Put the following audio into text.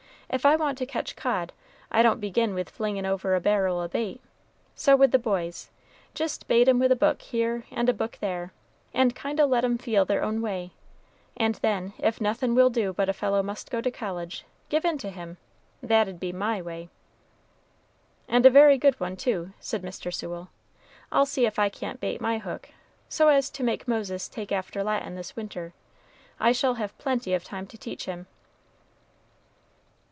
If I want to catch cod, I don't begin with flingin' over a barrel o' bait. So with the boys, jist bait 'em with a book here and a book there, and kind o' let 'em feel their own way, and then, if nothin' will do but a fellow must go to college, give in to him that'd be my way." "And a very good one, too!" said Mr. Sewell. "I'll see if I can't bait my hook, so as to make Moses take after Latin this winter. I shall have plenty of time to teach him."